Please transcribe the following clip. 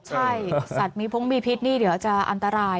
ใช่สัตว์มีพงมีพิษนี่เดี๋ยวจะอันตราย